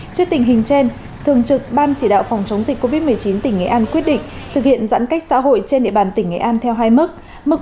trước tình hình trên thường trực ban chỉ đạo phòng chống dịch covid một mươi chín tỉnh nghệ an quyết định thực hiện giãn cách xã hội trên địa bàn tỉnh nghệ an theo hai mức